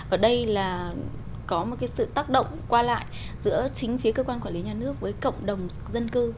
ở đây là có một sự tác động qua lại giữa chính phía cơ quan quản lý nhà nước với cộng đồng dân cư